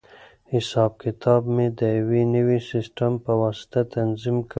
حساب کتاب مې د یوې نوې سیسټم په واسطه تنظیم کړ.